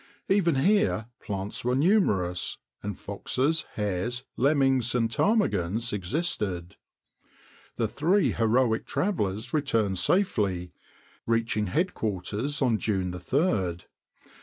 Even here plants were numerous, and foxes, hares, lemmings, and ptarmigans existed. The three heroic travelers returned safely, reaching headquarters on June 3d.